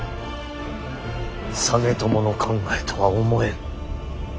実朝の考えとは思えん。